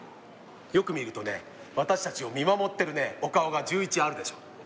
よく見るとね私たちを見守ってるお顔が１１あるでしょう。